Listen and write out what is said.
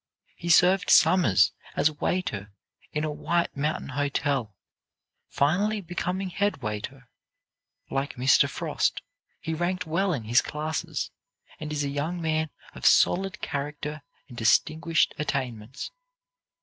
He served summers as waiter in a White Mountain hotel, finally becoming head waiter. Like Mr. Frost, he ranked well in his classes, and is a young man of solid character and distinguished attainments.